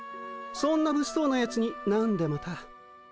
そんなぶっそうなやつになんでまた。